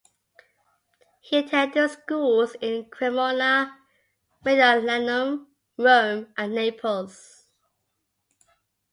He attended schools in Cremona, Mediolanum, Rome and Naples.